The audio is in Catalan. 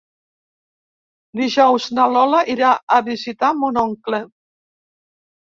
Dijous na Lola irà a visitar mon oncle.